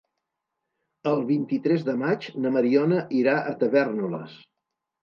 El vint-i-tres de maig na Mariona irà a Tavèrnoles.